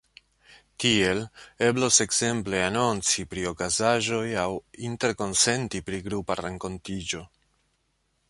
Tiel eblos ekzemple anonci pri okazaĵoj aŭ interkonsenti pri grupa renkontiĝo.